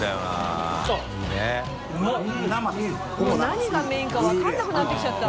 何がメインか分からなくなってきちゃった。